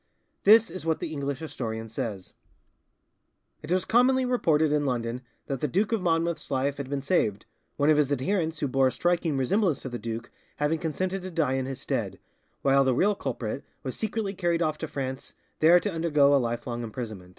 This is what the English historian says: "It was commonly reported in London that the Duke of Monmouth's life had been saved, one of his adherents who bore a striking resemblance to the duke having consented to die in his stead, while the real culprit was secretly carried off to France, there to undergo a lifelong imprisonment."